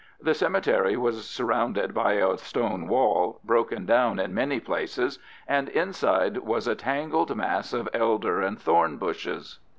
The cemetery was surrounded by a stone wall, broken down in many places, and inside was a tangled mass of elder and thorn bushes.